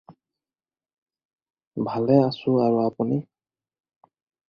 ভালে আছোঁ, আৰু আপুনি